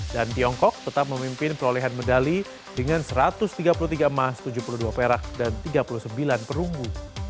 dan tiongkok tetap memimpin perolehan medali dengan satu ratus tiga puluh tiga emas tujuh puluh dua perak dan tiga puluh sembilan perunggu